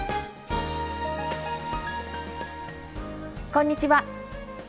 こんにちは。